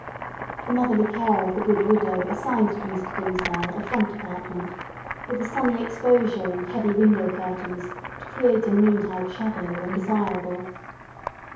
The motherly care of the good widow assigned to Mr. Dimmesdale a front apartment, with a sunny exposure, and heavy window curtains, to create a noontide shadow when desirable.